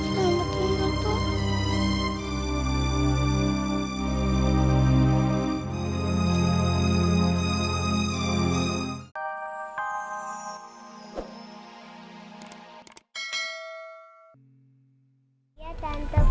selamat tinggal pak